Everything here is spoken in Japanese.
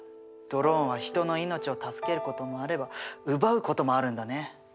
ドローンは人の命を助けることもあれば奪うこともあるんだね。